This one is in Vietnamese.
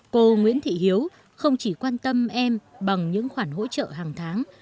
cô nguyễn thị hiếu không chỉ quan tâm em bằng những khoản hỗ trợ hàng tháng